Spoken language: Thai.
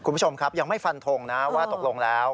คุณผู้ชมครับยังไม่ฟันทงนะว่าตกลงแล้ว